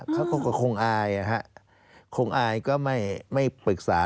เขาก็คงอายคงอายก็ไม่ปรึกษา